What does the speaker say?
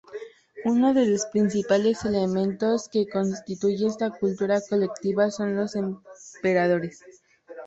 Uno de los principales elementos que constituyen esta cultura colectiva son los emperadores.